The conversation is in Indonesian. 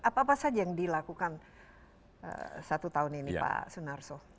apa apa saja yang dilakukan satu tahun ini pak sunarso